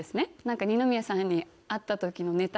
何か二宮さんに会った時の。